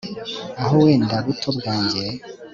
aho wenda buto bwange